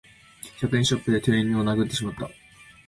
百円ショップで店員に値段を聞いてしまった